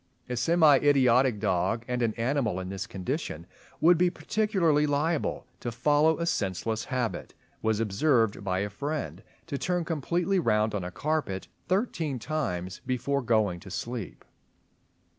A semi idiotic dog—and an animal in this condition would be particularly liable to follow a senseless habit—was observed by a friend to turn completely round on a carpet thirteen times before going to sleep.